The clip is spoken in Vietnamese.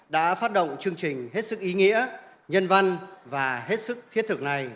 đã phát động chương trình hết sức ý nghĩa nhân văn và hết sức thiết